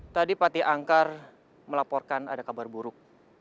tadi pati angkar melaporkan ada kabar buruk